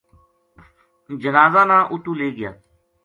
جنازہ نا اُتو لے گیا